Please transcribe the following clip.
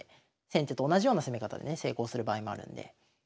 先手と同じような攻め方でね成功する場合もあるんで。